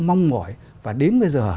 mong mỏi và đến bây giờ